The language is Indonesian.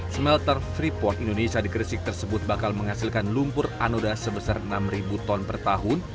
smelter freeport indonesia di gresik tersebut bakal menghasilkan lumpur anoda sebesar enam ton per tahun